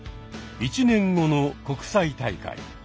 １年後の国際大会。